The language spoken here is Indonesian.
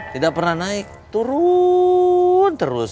tidak pernah naik turun terus